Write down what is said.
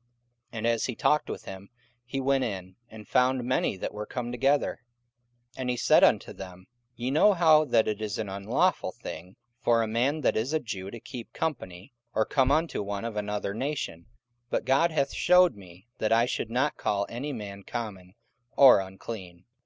44:010:027 And as he talked with him, he went in, and found many that were come together. 44:010:028 And he said unto them, Ye know how that it is an unlawful thing for a man that is a Jew to keep company, or come unto one of another nation; but God hath shewed me that I should not call any man common or unclean.